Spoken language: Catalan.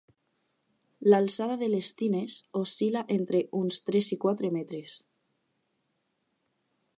L'alçada de les tines oscil·la entre uns tres i quatre metres.